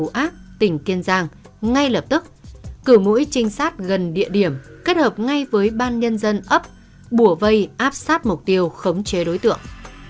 thủ ác tỉnh kiên giang ngay lập tức cử mũi trinh sát gần địa điểm kết hợp ngay với ban nhân dân ấp bùa vây áp sát mục tiêu khống chế đối tượng